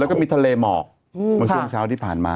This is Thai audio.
แล้วก็มีทะเลหมอกเมื่อช่วงเช้าที่ผ่านมา